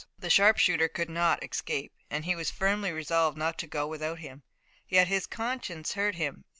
The sharpshooter could not escape, and he was firmly resolved not to go without him. Yet his conscience hurt him.